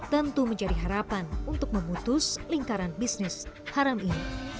tentu menjadi harapan untuk memutus lingkaran bisnis haram ini